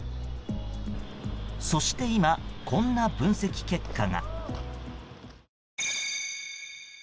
そして今、こんな分析結果が。